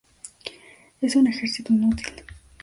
Es un ejercicio inútil.